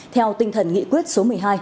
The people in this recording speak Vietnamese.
theo tinh thần nghị quyết số một mươi hai